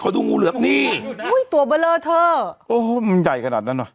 เขาดูงูเหลือมนี่อุ้ยตัวเบลอเธอโอ้โหมันใหญ่ขนาดนั้นวะ